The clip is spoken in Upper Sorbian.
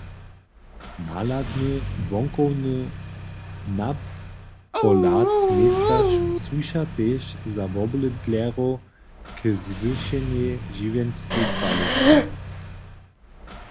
Nahladny wonkowny napohlad města słuša tež za wobydlerjow k zwyšenej žiwjenskej kwaliće.